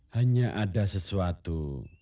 hanya ada sesuatu